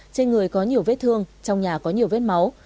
trên người có nhiều vết thương trong nhà có nhiều vết máu